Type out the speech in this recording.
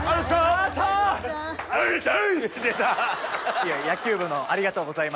いや野球部の「ありがとうございました」。